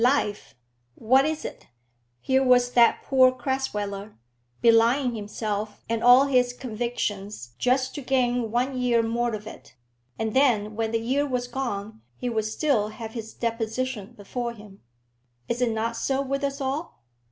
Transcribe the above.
Life! what is it? Here was that poor Crasweller, belying himself and all his convictions just to gain one year more of it, and then when the year was gone he would still have his deposition before him! Is it not so with us all?